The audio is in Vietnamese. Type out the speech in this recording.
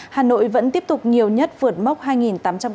hà nội vẫn tiếp tục nhiều nhất vượt mốc hai tám trăm linh ca